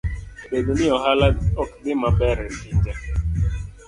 Bedo ni ohala ok dhi maber e pinje